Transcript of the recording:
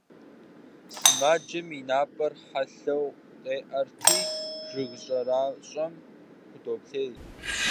Сымаджэм и напӏэр хьэлъэу къеӏэтри, жыг щӏэращӏэм худоплъей.